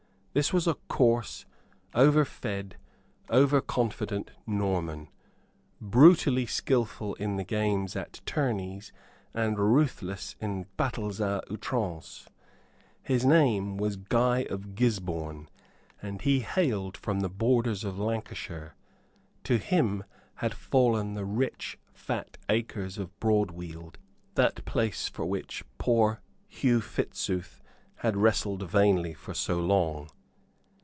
This was a coarse, over fed, over confident Norman, brutally skilful in the games at tourneys and ruthless in battles à outrance. His name was Guy of Gisborne, and he hailed from the borders of Lancashire. To him had fallen the rich fat acres of Broadweald, that place for which poor Hugh Fitzooth had wrestled vainly for so long.